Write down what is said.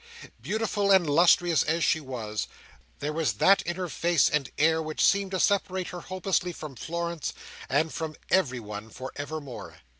Beautiful and lustrous as she was, there was that in her face and air which seemed to separate her hopelessly from Florence, and from everyone, for ever more.